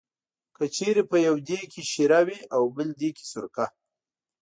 که چېرې په یو دېګ کې شېره وي او بل دېګ کې سرکه.